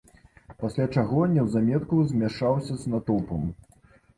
Пасля чаго неўзаметку змяшаўся з натоўпам.